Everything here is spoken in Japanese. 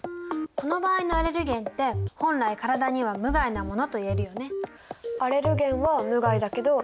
この場合のアレルゲンって本来体には無害なものといえるよね。